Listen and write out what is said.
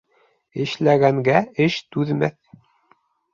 Эшләгәнгә эш түҙмәҫ.